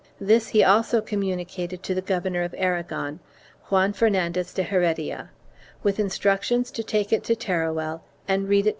This he also communicated to the Governor of Aragon, Juan Fernandez de Heredia, with instructions to take it to Teruel and read it to the 1 Arch.